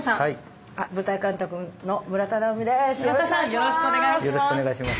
よろしくお願いします。